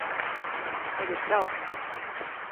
Tev ir draugs.